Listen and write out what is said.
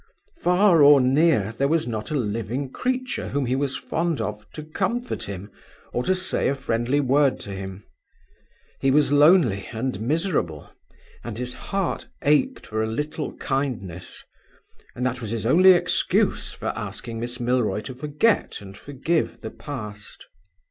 Far or near, there was not a living creature whom he was fond of to comfort him, or to say a friendly word to him. He was lonely and miserable, and his heart ached for a little kindness and that was his only excuse for asking Miss Milroy to forget and forgive the past.